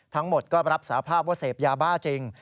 ทั้งหมดก็รับสาภาพว่าเสพยาบ้าจริง